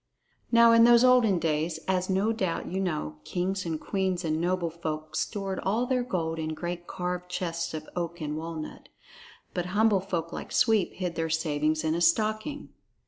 Now in those olden days, as no doubt you know, kings and queens and noble folk stored all their gold in great carved chests of oak and walnut; but humble folk like Sweep hid their savings in a stocking.